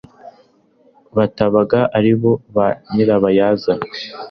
batabaga ari bo ba nyirabayazana